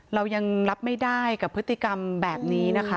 เรายังรับไม่ได้กับพฤติกรรมแบบนี้นะคะ